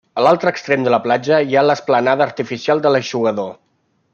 A l'altre extrem de la platja hi ha l'esplanada artificial de l'Eixugador.